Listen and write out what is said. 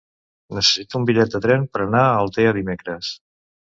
Necessito un bitllet de tren per anar a Altea dimecres.